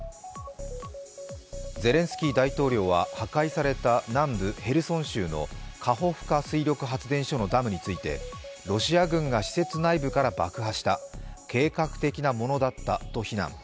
ゼレンスキー大統領は破壊された南部ヘルソン州のカホフカ水力発電所のダムについてロシア軍が施設内部から爆破した、計画的なものだったと非難。